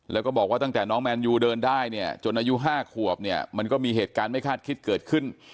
แล้วก็บอกว่าตั้งแต่น้องแมนยูเดินได้เนี่ยจนอายุ๕ขวบเนี่ยมันก็มีเหตุการณ์ไม่คาดคิดเกิดขึ้น